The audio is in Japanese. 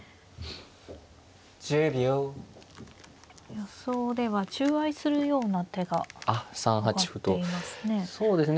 予想では中合いするような手が挙がっていますね。